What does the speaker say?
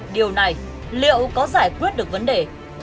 điều này liệu có giải quyết được vấn đề